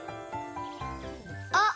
あっ！